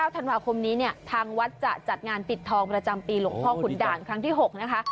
ธันวาคมนี้เนี่ยทางวัดจะจัดงานปิดทองประจำปีหลวงพ่อขุนด่านครั้งที่๖นะคะ